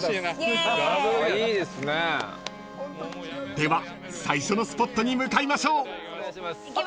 ［では最初のスポットに向かいましょう］